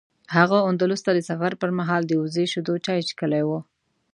هغه اندلس ته د سفر پر مهال د وزې شیدو چای څښلي و.